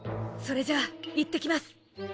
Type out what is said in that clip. それじゃあ行ってきます！